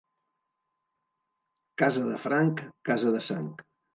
Casa de franc, casa de sang.